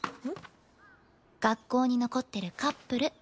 学校に残ってるカップル。